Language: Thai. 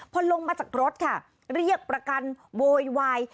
พอลงมาจากรถค่ะเรียกประกันโวยวาย